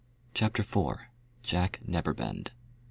CHAPTER IV. JACK NEVERBEND.